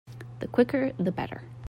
The quicker the better.